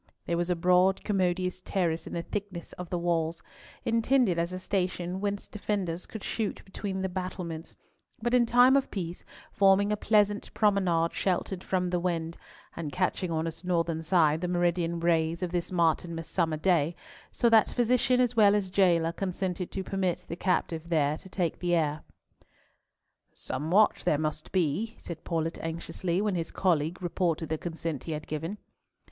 There was a broad commodious terrace in the thickness of the walls, intended as a station whence the defenders could shoot between the battlements, but in time of peace forming a pleasant promenade sheltered from the wind, and catching on its northern side the meridian rays of this Martinmas summer day, so that physician as well as jailer consented to permit the captive there to take the air. "Some watch there must be," said Paulett anxiously, when his colleague reported the consent he had given.